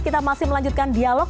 kita masih melanjutkan dialog